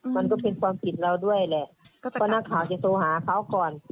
มันก็เป็นความผิดเราด้วยแหละเพราะนักข่าวจะโทรหาเขาก่อน